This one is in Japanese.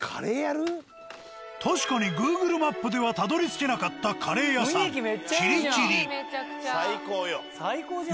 確かにＧｏｏｇｌｅマップではたどりつけなかったカレー屋さん「木里吉里」。いいめちゃくちゃ。